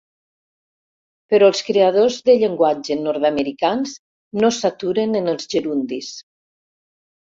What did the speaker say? Però els creadors de llenguatge nord-americans no s'aturen en els gerundis.